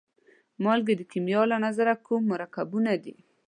مالګې د کیمیا له نظره کوم مرکبونه دي؟